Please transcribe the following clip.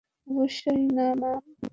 অবশ্যই না, ম্যাম!